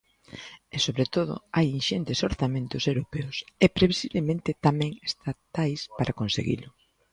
E sobre todo hai inxentes orzamentos europeos e previsiblemente tamén estatais para conseguilo.